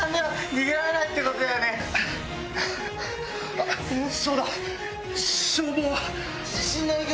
あっそうだ！